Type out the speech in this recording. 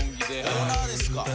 オーナーですか。